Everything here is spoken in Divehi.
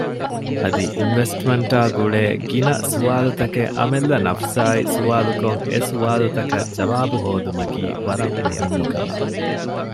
އަދި އިންވެސްޓްމަންޓާ ގުޅޭ ގިނަ ސުވާލުތަކެއް އަމިއްލަ ނަފުސާއި ސުވާލުކޮށް އެސުވާލުތަކަށް ޖަވާބު ހޯދުމަކީ ވަރަށް މުހިންމު ކަމެއް